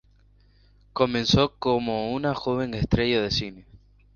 Comenzó como una joven estrella de cine.